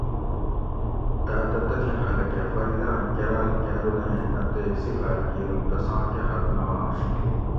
تاۤتہ تتھیں خلک اۤ فریداۤں کراۤل کاۤرونہ ایں اتیک صفاۤت کِیر اُوں تساں کہ حد نہ آش